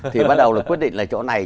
thì bắt đầu là quyết định là chỗ này